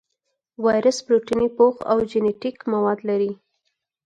وایرس پروتیني پوښ او جینیټیک مواد لري.